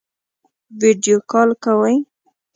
ویډیو کال کوئ؟